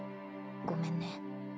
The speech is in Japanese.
ごめんね。